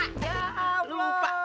ya allah manusia